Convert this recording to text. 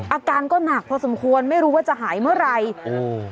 อาการก็หนักพอสมควรไม่รู้ว่าจะหายเมื่อไหร่โอ้